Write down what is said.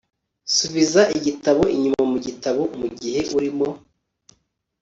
subiza igitabo inyuma mugitabo mugihe urimo